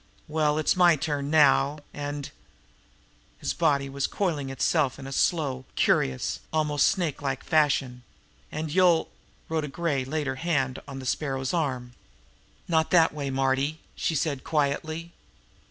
"Well, it's my turn now, and" his body was coiling itself in a slow, curious, almost snake like fashion "and you'll " Rhoda Gray laid her hand on the Sparrow's arm. "Not that way, Marty," she said quietly.